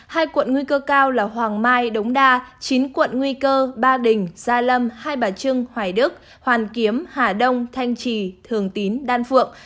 hai quận nguy cơ cao là hoàng mai đống đa chín quận nguy cơ ba đình gia lâm hai bà trưng hoài đức hoàn kiếm hà đông thanh trì thường tín đan phượng